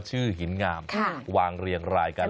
หินงามวางเรียงรายกัน